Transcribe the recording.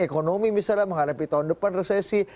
ekonomi misalnya menghadapi tahun depan resesi